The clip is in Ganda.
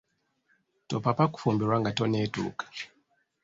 Topapa kufumbirwa nga tonetuuka.